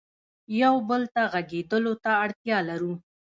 یو بل ته غږېدلو ته اړتیا لرو.